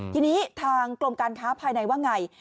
ทีนี้ทางกรมการค้าภายในว่าไง